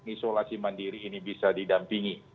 isolasi mandiri ini bisa didampingi